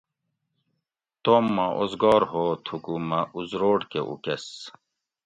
توم ما اوزگار ہو تھُکو مہ ازروٹ کہ اُکس